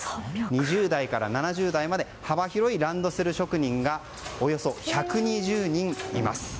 ２０代から７０代まで幅広いランドセル職人がおよそ１２０人います。